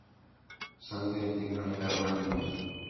سنڳتیں تی گھݨی مہربانی ہے